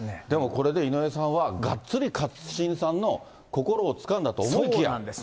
でもこれで井上さんは、がっつり勝新さんの心をつかんだと思いきや。